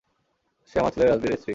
সে আমার ছেলে রাজবীরের স্ত্রী।